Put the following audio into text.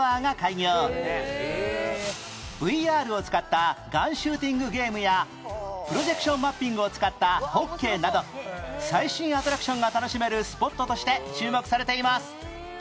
ＶＲ を使ったガンシューティングゲームやプロジェクションマッピングを使ったホッケーなど最新アトラクションが楽しめるスポットとして注目されています